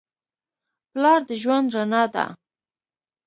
پلار د ژوند رڼا ده.